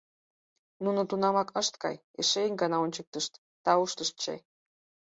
Нуно тунамак ышт кай, эше ик гана ончыктышт, тауштышт чай.